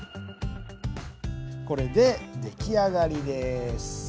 これでできあがりです。